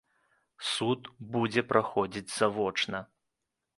Суд будзе праходзіць завочна.